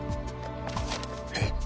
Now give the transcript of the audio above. えっ？